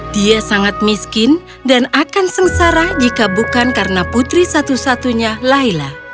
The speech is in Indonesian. dia sangat miskin dan akan sengsara jika bukan karena putri satu satunya layla